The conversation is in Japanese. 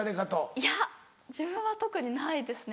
いや自分は特にないですね。